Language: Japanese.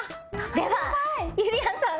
ではゆりやんさん